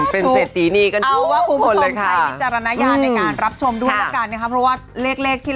เป็นเศษสีนี้กันทุกคนเลยค่ะ